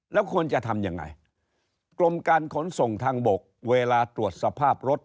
แล้วควรจะทำยังไงกรมการขนส่งทางบกเวลาตรวจสภาพรถ